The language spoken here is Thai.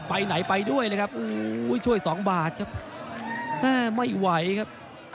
ไปไหนไปด้วยเลยครับโอ้โหช่วยสองบาทครับแม่ไม่ไหวครับ